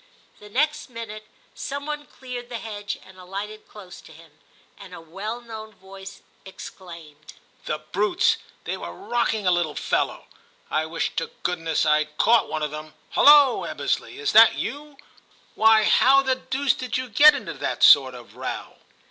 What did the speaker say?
The next minute some one cleared the hedge and alighted close to him, and a well known voice exclaimed, 'The brutes! they were rocking a little fellow ; I wish to good ness rd caught one of them. Hullo! Eb besley, is that you? Why, how the deuce did you get into this sort of row